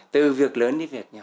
từ việc lớn đến việc nhỏ